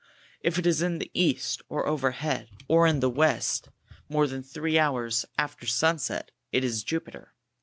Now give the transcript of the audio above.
If it is in the east, or overhead, or in the west more than three hours after sunset, it is JUPITER.